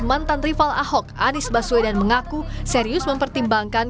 mantan rival ahok anies baswedan mengaku serius mempertimbangkan